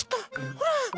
ほら！